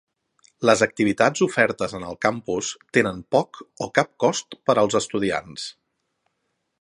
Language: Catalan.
Les activitats ofertes en el campus tenen poc o cap cost per als estudiants.